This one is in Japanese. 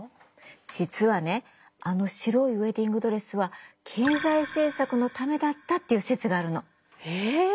実はねあの白いウェディングドレスは経済政策のためだったという説があるの。え？